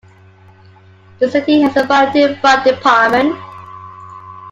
The city has a volunteer fire department.